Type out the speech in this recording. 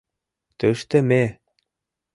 — Тыште ме!